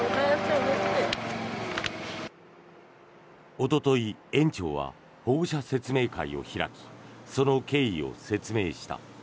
おととい、園長は保護者説明会を開きその経緯を説明した。